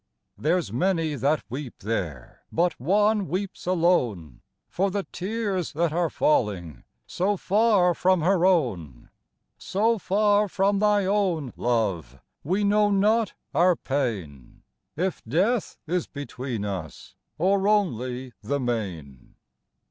There's many that weep there, But one weeps alone, For the tears that are falling So far from her own; So far from thy own, love, We know not our pain; If death is between us, Or only the main.